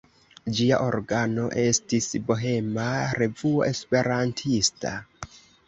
Ĝia organo estis Bohema Revuo Esperantista.